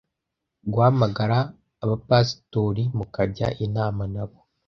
Guhamagara abapasitori mukajya inama nabo